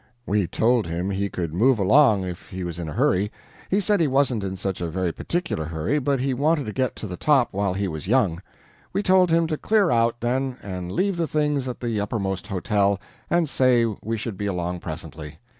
We told him he could move along if he was in a hurry. He said he wasn't in such a very particular hurry, but he wanted to get to the top while he was young. We told him to clear out, then, and leave the things at the uppermost hotel and say we should be along presently.